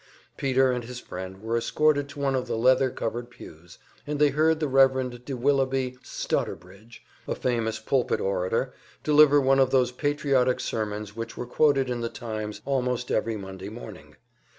Peter and his friend were escorted to one of the leather covered pews, and they heard the Rev. de Willoughby Stotterbridge, a famous pulpit orator, deliver one of those patriotic sermons which were quoted in the "Times" almost every Monday morning.